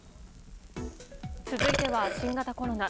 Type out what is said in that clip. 続いては、新型コロナ。